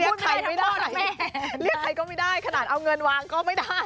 ใครไม่ได้เรียกใครก็ไม่ได้ขนาดเอาเงินวางก็ไม่ได้